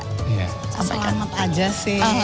salaman saja sih